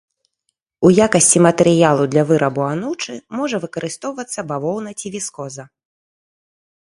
У якасці матэрыялу для вырабу анучы можа выкарыстоўвацца бавоўна ці віскоза.